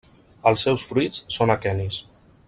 Els seus fruits són aquenis.